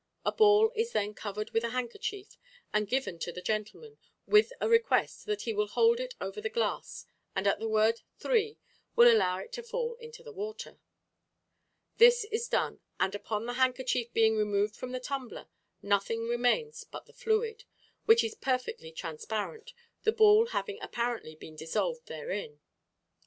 A ball is then covered with a handkerchief and given to the gentleman, with a request that he will hold it over the glass and at the word "three" will allow it to fall into the water. This is done, and, upon the handkerchief being removed from the tumbler, nothing remains but the fluid, which is perfectly transparent, the ball having apparently been dissolved therein.